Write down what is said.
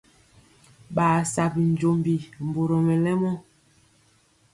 Ɓaa sa binjombi mburɔ mɛlɛmɔ.